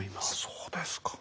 そうですか。